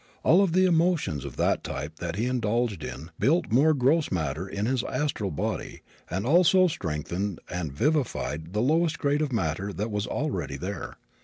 All of the emotions of that type that he indulged built more gross matter in his astral body and also strengthened and vivified the lowest grade of matter that was already there.